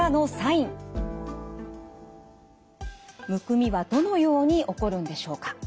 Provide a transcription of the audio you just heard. むくみはどのように起こるんでしょうか。